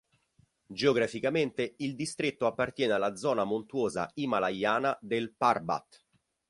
Geograficamente il distretto appartiene alla zona montuosa himalayana del Parbat.